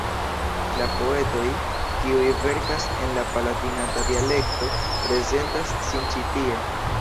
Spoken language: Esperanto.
La poetoj, kiuj verkas en la palatinata dialekto prezentas sin ĉi tie.